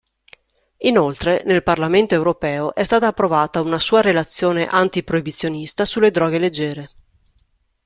Inoltre nel Parlamento europeo è stata approvata una sua relazione anti-proibizionista sulle droghe leggere.